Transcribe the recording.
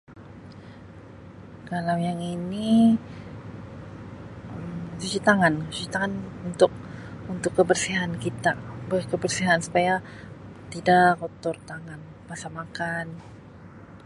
Kalau yang ini Um cuci tangan, cuci tangan untuk-untuk kebersihan kita, bekebersihan supaya tidak kotor tangan masa makan.